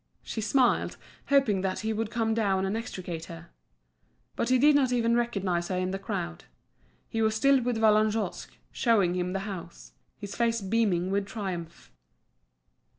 She smiled, hoping that he would come down and extricate her. But he did not even recognise her in the crowd; he was still with Vallagnosc, showing him the house, his face beaming with triumph.